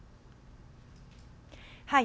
はい。